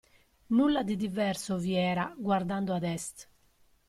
Nulla di diverso vi era guardando ad Est.